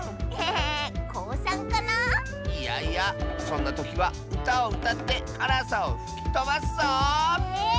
いやいやそんなときはうたをうたってからさをふきとばすぞ！